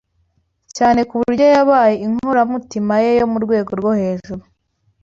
cyane ku buryo yabaye inkoramutima ye yo mu Rwego rwo hejuru